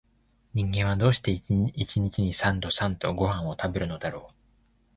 人間は、どうして一日に三度々々ごはんを食べるのだろう